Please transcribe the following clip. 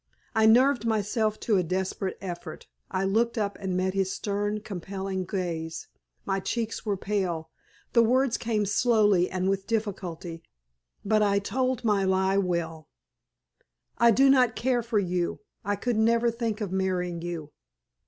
I nerved myself to a desperate effort. I looked up and met his stern, compelling gaze. My cheeks were pale. The words came slowly and with difficulty. But I told my lie well. "I do not care for you. I could never think of marrying you."